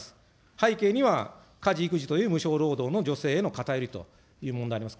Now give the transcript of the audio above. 背景には、家事育児という無償労働の女性への偏りという問題もあります。